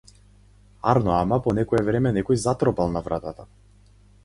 Арно ама по некое време некој затропал на вратата.